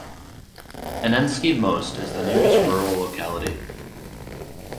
Annensky Most is the nearest rural locality.